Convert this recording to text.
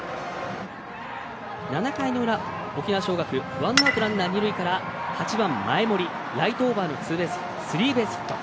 ７回の裏、沖縄尚学ワンアウト、ランナー、二塁から８番、前盛、ライトオーバーのスリーベースヒット。